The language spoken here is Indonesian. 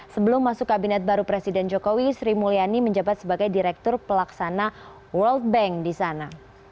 sebelum masuk kabinet baru presiden jokowi sri mulyani menjabat sebagai direktur pelaksana world bank di sana